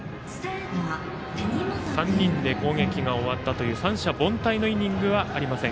３人で攻撃が終わったという三者凡退のイニングはありません。